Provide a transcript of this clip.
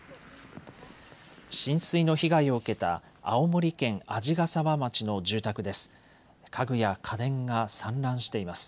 浸水の被害を受けた青森県鰺ヶ沢町の住宅です。